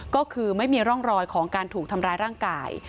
ก็คือไม่มีร่องรอยของการถูกทำร้ายร่างกาย